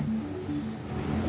iya aja teh